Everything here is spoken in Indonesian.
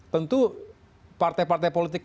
tentu partai partai politik